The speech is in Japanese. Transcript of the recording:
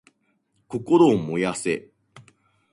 心を燃やせ！